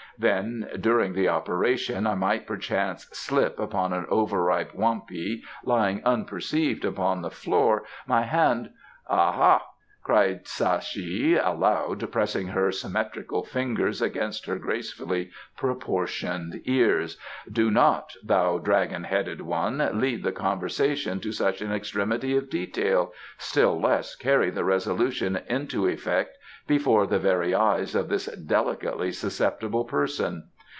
Then during the operation I might perchance slip upon an overripe whampee lying unperceived upon the floor; my hand " "Ah ah!" cried Tsae che aloud, pressing her symmetrical fingers against her gracefully proportioned ears; "do not, thou dragon headed one, lead the conversation to such an extremity of detail, still less carry the resolution into effect before the very eyes of this delicately susceptible person.